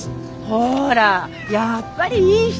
ほらやっぱりいい人！